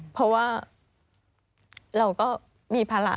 เพราะว่าเราก็มีภาระ